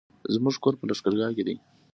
زموږ کور په لښکرګاه کی دی